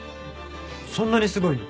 そんなにすごいの？